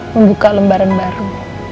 membuka lembaran baru